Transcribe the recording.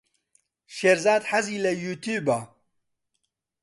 شێرزاد حەزی لە یووتیووبە.